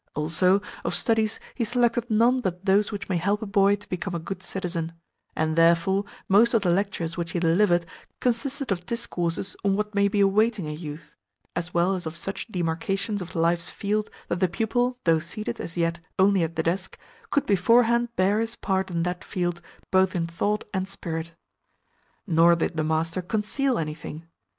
Also, of studies he selected none but those which may help a boy to become a good citizen; and therefore most of the lectures which he delivered consisted of discourses on what may be awaiting a youth, as well as of such demarcations of life's field that the pupil, though seated, as yet, only at the desk, could beforehand bear his part in that field both in thought and spirit. Nor did the master CONCEAL anything.